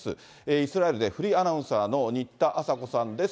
イスラエルでフリーアナウンサーの新田朝子さんです。